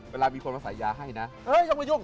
เวลามีคนมาสายยาให้นะเอ๊ยอย่ามาโย่ง